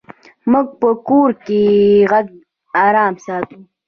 موږ په کور کې غږ آرام ساتو.